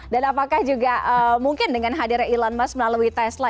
dan apakah juga mungkin dengan hadir elon musk melalui tesla